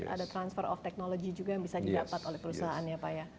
ada transfer of technology juga yang bisa didapat oleh perusahaan ya pak ya